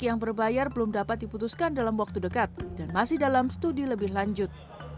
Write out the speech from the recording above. yang berbayar belum dapat diputuskan dalam waktu dekat dan masih dalam studi lebih lanjut